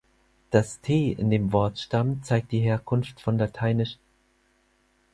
Das „t“ in dem Wortstamm zeigt die Herkunft von lat.